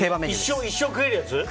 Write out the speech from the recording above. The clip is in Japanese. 一生食えるやつ？